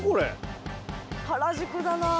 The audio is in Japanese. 原宿だなあ。